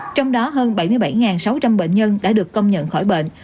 trong đó hơn bảy mươi bảy sáu trăm linh bệnh nhân đã được công nhận khỏi bệnh